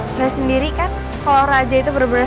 hai dari sendiri kan kalau raja itu berusia